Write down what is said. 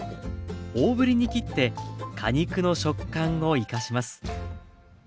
大ぶりに切って果肉の食感を生かします。